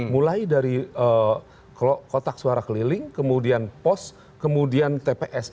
mulai dari kotak suara keliling kemudian pos kemudian tps